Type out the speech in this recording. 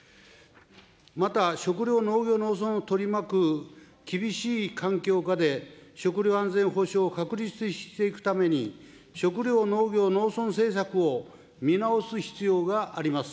また、食料、農業、農村を取り巻く厳しい環境下で食料安全保障を確立していくために、食料、農業、農村政策を見直す必要があります。